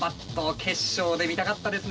決勝で見たかったですね。